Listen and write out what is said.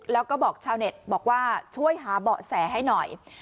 แล้วก็บอกชาวเน็ตบอกว่าช่วยหาเบาะแสให้หน่อย